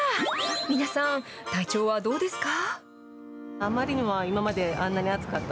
皆さん、体調はどうですか？